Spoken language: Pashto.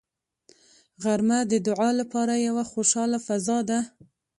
غرمه د دعا لپاره یوه خوشاله فضا ده